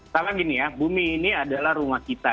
sama gini ya bumi ini adalah rumah kita